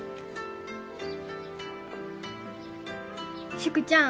淑ちゃん